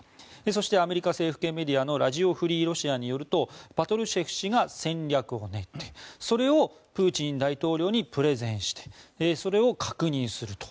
そしてアメリカ政府系メディアのラジオ・フリー・ロシアによるとパトルシェフ氏が戦略を練ってそれをプーチン大統領にプレゼンしてそれを確認すると。